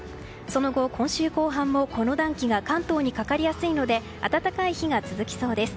その後、今週後半もこの暖気が関東にかかりやすいので暖かい日が続きそうです。